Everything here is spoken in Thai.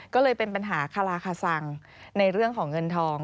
ก็เลยเป็นปัญหาคาราคาสังในเรื่องของเงินทอง